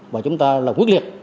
và chúng ta là quyết liệt